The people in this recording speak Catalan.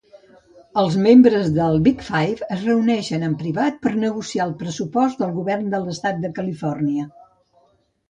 Els membres del Big Five es reuneixen en privat per negociar el pressupost del govern de l'estat de Califòrnia.